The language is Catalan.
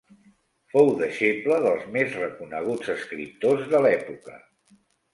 Fou deixebla dels més reconeguts escriptors de l'època.